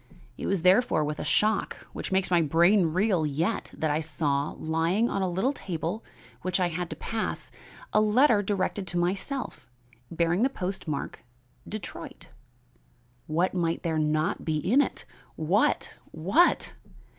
It was therefore with a shock, which makes my brain reel yet, that I saw, lying on a little table which I had to pass, a letter directed to myself, bearing the postmark, Detroit. What might there not be in it? What? What?